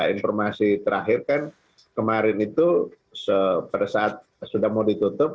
informasi terakhir kan kemarin itu pada saat sudah mau ditutup